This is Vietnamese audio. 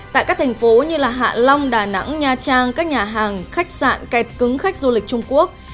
tại các thành phố như hạ long đà nẵng nha trang các nhà hàng khách sạn kẹt cứng khách du lịch trung quốc